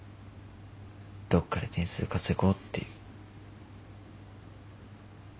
どっかで点数稼ごうっていう。